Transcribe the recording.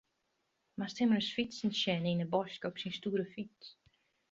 Moatst him ris fytsen sjen yn 'e bosk op syn stoere fyts.